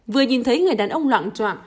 vừa nhìn thấy người đàn ông loạn troạn